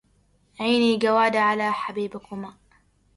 عيني جودا على حبيبكما